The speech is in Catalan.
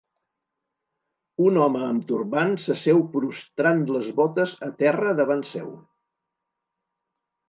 Un home amb turbant s'asseu prostrant les botes a terra davant seu.